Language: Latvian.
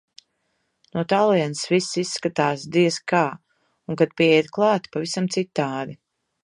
No tālienes viss izskatās, diez kā, un kad pieiet klāt - pavisam citādi.